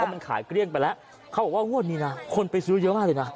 ว่ามันขายเกรี่ยงไปแล้วเขาบอกว่าโอ้โหนี้นะคนไปซื้อเยาะดิน่ะ